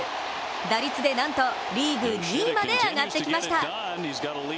打率でなんとリーグ２位まで上がってきました。